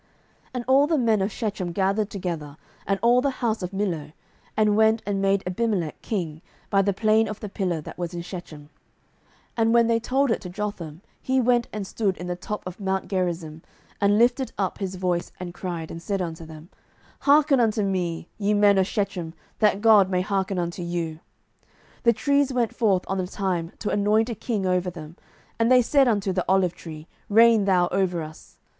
07:009:006 And all the men of Shechem gathered together, and all the house of Millo, and went, and made Abimelech king, by the plain of the pillar that was in Shechem. 07:009:007 And when they told it to Jotham, he went and stood in the top of mount Gerizim, and lifted up his voice, and cried, and said unto them, Hearken unto me, ye men of Shechem, that God may hearken unto you. 07:009:008 The trees went forth on a time to anoint a king over them; and they said unto the olive tree, Reign thou over us.